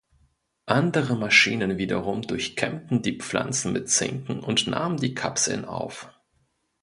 Andere Maschinen wiederum durchkämmten die Pflanzen mit Zinken und nahmen die Kapseln auf.